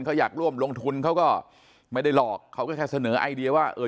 เขาอยากร่วมลงทุนเขาก็ไม่ได้หลอกเขาก็แค่เสนอไอเดียว่าเออ